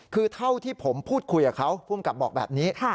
คือเท่าที่ผมพูดคุยกับเขาภูมิกับบอกแบบนี้